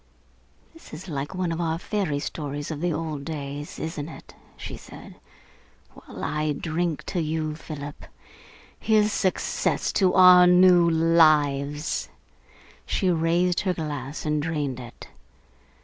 "This is like one of our fairy stories of the old days, isn't it?" she said. "Well, I drink to you, Philip. Here's success to our new lives!" She raised her glass and drained it.